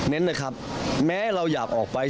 เน้นนะครับแม้เราอยากออกไป